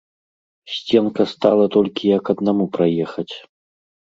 Сценка стала толькі як аднаму праехаць.